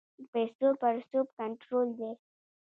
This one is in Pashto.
د پیسو پړسوب کنټرول دی؟